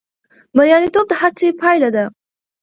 بریالیتوب د هڅې پایله ده.